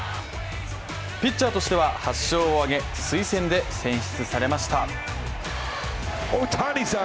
ピッチャーとしては８勝を挙げ、推薦で選出されました。